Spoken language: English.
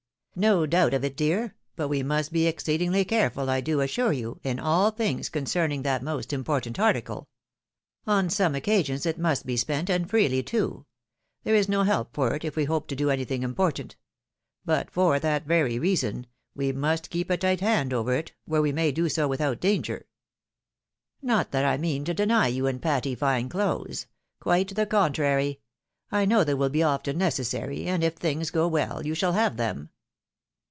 " No doubt of it, dear ; but we must be exceedingly careful, I do assure you, in all things concerning that most important article. On some occasions it must be spent, and freely too. There is no help for it if we hope to do anything important. But, for that very reason, we must keep a tight hand over it, where we may do so without danger. Not that I mean to deny you and Patty fine clothes. Quite the contrary. I know they will be often necessary ; and, if things go well, you shall have them."